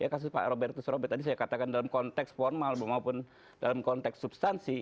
kasus pak robertus robert tadi saya katakan dalam konteks formal maupun dalam konteks substansi